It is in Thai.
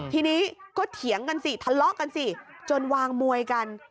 ทีนี้ก็เถียงกันสิทะเลาะกันสิจนวางมวยกัน